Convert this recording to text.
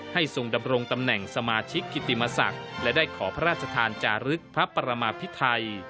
ทรงดำรงตำแหน่งสมาชิกกิติมศักดิ์และได้ขอพระราชทานจารึกพระประมาภิไทย